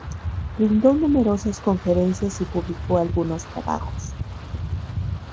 Brindó numerosas conferencias y publicó algunos trabajos.